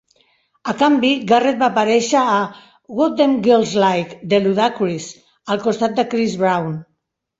A canvi, Garrett va aparèixer a "What Them Girls Like" de Ludacris, al costat de Chris Brown.